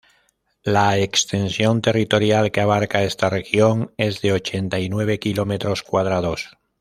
La extensión territorial que abarca esta región es de ochenta y nueve kilómetros cuadrados.